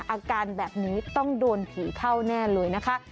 อาการแบบนี้ต้องโดนผีเข้าแน่เลยนะคะ